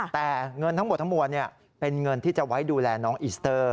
แต่เงินทั้งหมดทั้งมวลเป็นเงินที่จะไว้ดูแลน้องอิสเตอร์